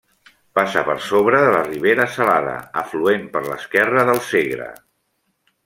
Passa per sobre de la Ribera Salada, afluent per l'esquerra del Segre.